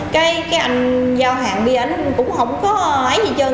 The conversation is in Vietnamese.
cái anh giao hàng bia ảnh cũng không có ái gì trơn